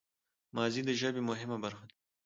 ماضي د ژبي مهمه برخه ده.